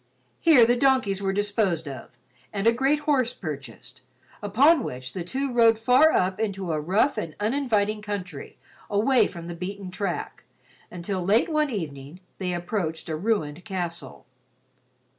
Here the donkeys were disposed of and a great horse purchased, upon which the two rode far up into a rough and uninviting country away from the beaten track, until late one evening they approached a ruined castle.